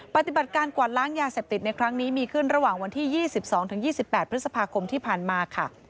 ปฏิบัติการกวาดล้างยาเสพติดในครั้งนี้มีขึ้นระหว่างวันที่๒๒๒๘พฤษภาคมที่ผ่านมาค่ะ